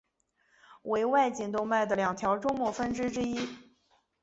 为外颈动脉的两条终末分支之一。